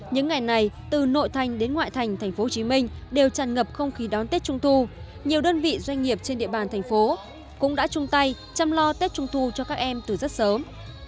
những ngày này từ nội thành đến ngoại thành tp hcm đều tràn ngập không khí đón tết trung thu nhiều đơn vị doanh nghiệp trên địa bàn thành phố cũng đã chung tay chăm lo tết trung thu cho các em từ rất sớm